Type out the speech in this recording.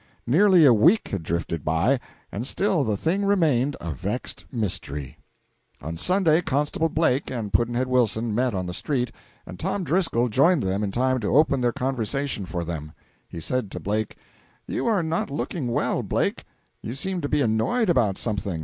Nearly a week had drifted by, and still the thing remained a vexed mystery. On Saturday Constable Blake and Pudd'nhead Wilson met on the street, and Tom Driscoll joined them in time to open their conversation for them. He said to Blake "You are not looking well, Blake; you seem to be annoyed about something.